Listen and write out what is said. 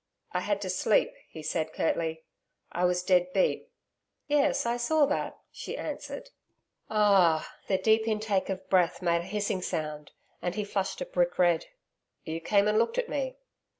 'I had to sleep,' he said curtly. 'I was dead beat.' 'Yes, I saw that,' she answered. 'A ah!' The deep intake of breath made a hissing sound, and he flushed a brick red. 'You came and looked at me?'